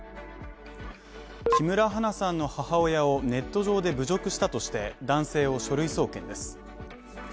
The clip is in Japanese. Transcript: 木村花さんの母親をネット上で侮辱したとして男性を書類送検です。